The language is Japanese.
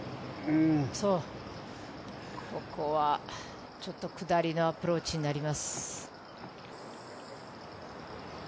ここはちょっと下りのアプローチになります。